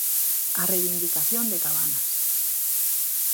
A reivindicación de Cabanas.